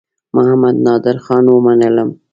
محمدنادرخان ومنلم.